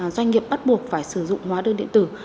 doanh nghiệp bắt buộc phải sử dụng hóa đơn điện tử